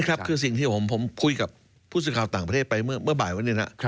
ครับคือสิ่งที่ผมคุยกับผู้สื่อข่าวต่างประเทศไปเมื่อบ่ายวันนี้นะ